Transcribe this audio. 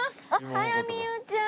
早見優ちゃん。